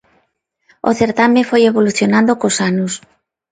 O certame foi evolucionando cos anos.